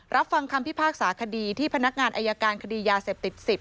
ฟังคำพิพากษาคดีที่พนักงานอายการคดียาเสพติด๑๐